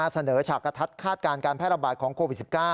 ฉากกระทัดคาดการณ์การแพร่ระบาดของโควิด๑๙